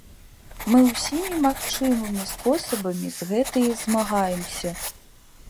Мы ўсімі магчымымі спосабамі з гэтыя змагаемся.